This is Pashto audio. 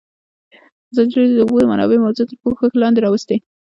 ازادي راډیو د د اوبو منابع موضوع تر پوښښ لاندې راوستې.